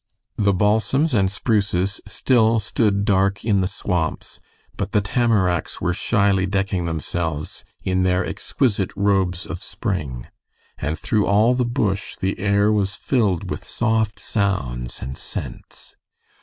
The balsams and spruces still stood dark in the swamps, but the tamaracks were shyly decking themselves in their exquisite robes of spring, and through all the bush the air was filled with soft sounds and scents.